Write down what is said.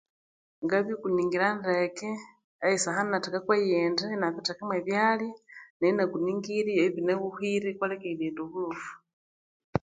Ngabikunigira ndeke esahani inatekaku eyindi inabithekamo ebyalya neryo ibyaba binahuhire kukendighenda obulofu